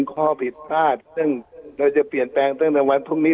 ข้อผิดพลาดซึ่งเราจะเปลี่ยนแปลงตั้งแต่วันพรุ่งนี้